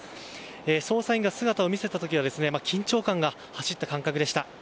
捜査員が姿を見せた時は緊張感が走った感覚でした。